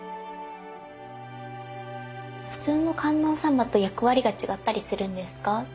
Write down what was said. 普通の観音様と役割が違ったりするんですか？